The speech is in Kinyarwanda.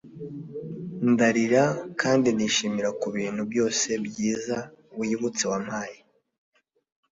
ndarira, kandi nshimira kubintu byose byiza wibutse wampaye